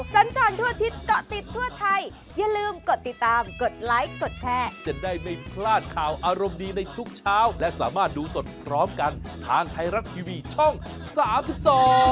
โปรดติดตามทุกวันที่สุดโปรดติดตามทุกวันที่สุด